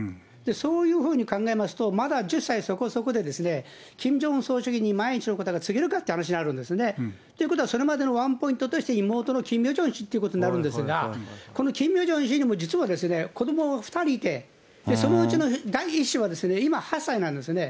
そういうふうに考えますと、まだ１０歳そこそこで、キム・ジョンウン総書記に万一のことがあれば次の人っていうことはそれまでのワンポイントとして、妹のキム・ヨジョン氏ということになるんですが、このキム・ヨジョン氏にも実は子どもが２人いて、そのうちの第１子は、今、８歳なんですね。